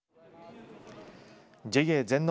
ＪＡ全農